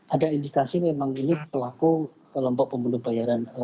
ada indikasi memang ini pelaku kelompok pembunuh bayaran